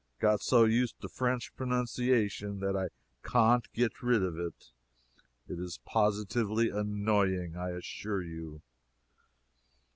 got so used to French pronunciation that I cahn't get rid of it it is positively annoying, I assure you."